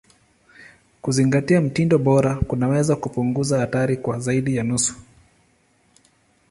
Kuzingatia mtindo bora kunaweza kupunguza hatari kwa zaidi ya nusu.